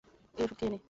এই ঔষুধ খেয়ে নে।